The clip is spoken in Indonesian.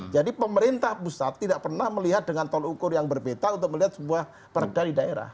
jadi pemerintah pusat tidak pernah melihat dengan tol ukur yang berbeda untuk melihat semua perda di daerah